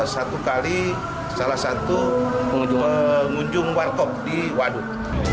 satu kali salah satu pengunjung warkop di waduk